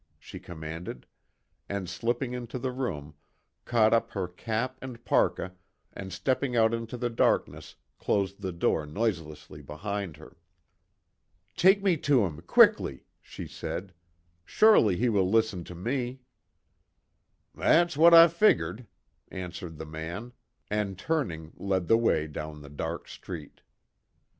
she commanded, and slipping into the room, caught up her cap and parka, and stepping out into the darkness, closed the door noiselessly behind her. "Take me to him quickly!" she said, "Surely he will listen to me." "That's what I figgered," answered the man, and turning led the way down the dark street.